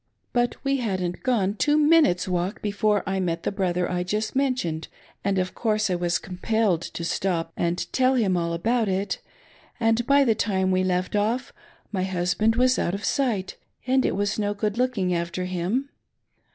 But we hadn't gone two minutes walk before I met the brother I just mentioned, and, of course, I was compelled to stop and tell him all about it ; and, by the time we left off, my husband was out of sight and it was no good looking after him.